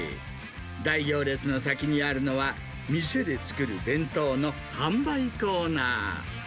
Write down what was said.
大行列の先にあるのは、店で作る弁当の販売コーナー。